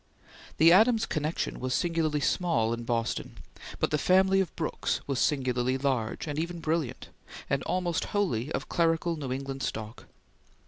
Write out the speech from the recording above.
The Adams connection was singularly small in Boston, but the family of Brooks was singularly large and even brilliant, and almost wholly of clerical New England stock.